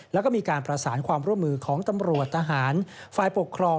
แล้วก็มีการประสานความร่วมมือของตำรวจทหารฝ่ายปกครอง